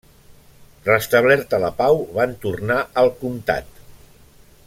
Restablerta la pau, van tornar al comtat.